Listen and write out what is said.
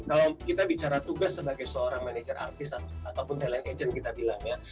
kalau kita bicara tugas sebagai seorang manajer artis ataupun talent agent kita bilang ya